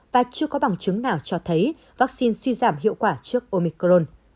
và chưa có bằng chứng nào cho thấy vaccine suy giảm hiệu quả trước omicron